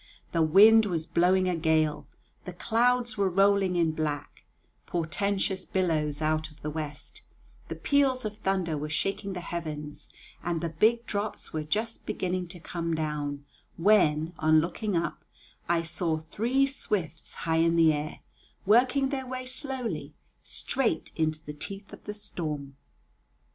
The wind was blowing a gale, the clouds were rolling in black, portentous billows out of the west, the peals of thunder were shaking the heavens, and the big drops were just beginning to come down, when, on looking up, I saw three swifts high in air, working their way slowly, straight into the teeth of the storm.